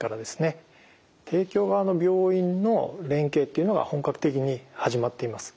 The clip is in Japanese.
提供側の病院の連携っていうのが本格的に始まっています。